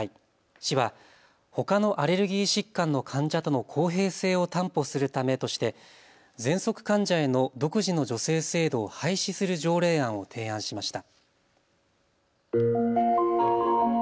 市はほかのアレルギー疾患の患者との公平性を担保するためとしてぜんそく患者への独自の助成制度を廃止する条例案を提案しました。